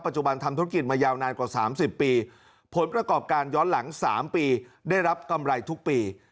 จุบันทำธุรกิจมายาวนานกว่า๓๐ปีผลประกอบการย้อนหลัง๓ปีได้รับกำไรทุกปี